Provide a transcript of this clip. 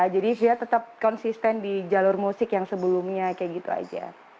jadi fia tetap konsisten di jalur musik yang sebelumnya kayak gitu aja